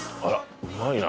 うまいな。